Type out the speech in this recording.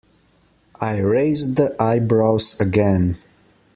I raised the eyebrows again.